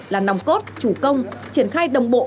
là nòng cốt chủ công triển khai đồng bộ